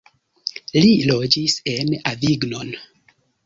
Li loĝis en Avignon.